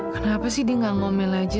kenapa sih dia nggak ngomel aja